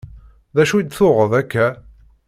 D acu i d-tuɣeḍ akka?